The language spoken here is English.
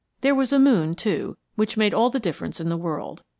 There was a moon, too, which made all the difference in the world.